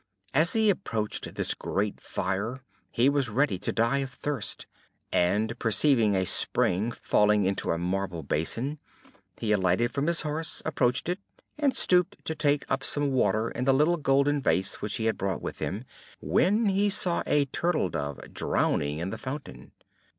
As he approached this great fire he was ready to die with thirst; and perceiving a spring falling into a marble basin, he alighted from his horse, approached it, and stooped to take up some water in the little golden vase which he had brought with him, when he saw a turtle dove drowning in the fountain.